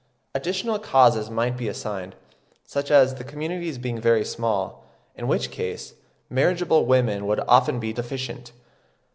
Additional causes might be assigned, such as the communities being very small, in which case, marriageable women would often be deficient.